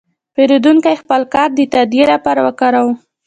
پیرودونکی خپل کارت د تادیې لپاره وکاراوه.